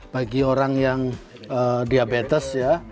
bagi orang yang diabetes ya